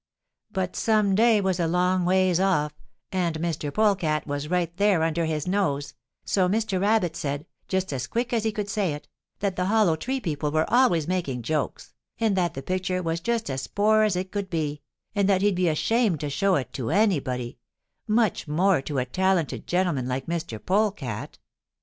But some day was a long ways off and Mr. Polecat was right there under his nose, so Mr. Rabbit said, just as quick as he could say it, that the Hollow Tree people were always making jokes, and that the picture was just as poor as it could be, and that he'd be ashamed to show it to anybody, much more to a talented gentleman like Mr. Polecat.